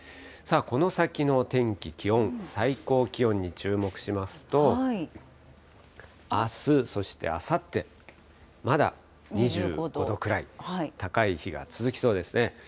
さあ、この先の天気、気温、最高気温に注目しますと、あす、そしてあさって、まだ２５度くらい、高い日が続きそうですね。